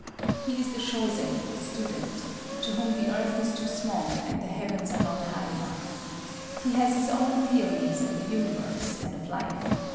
He is the shosei (student), to whom the earth is too small and the Heavens are not high enough. He has his own theories of the universe and of life.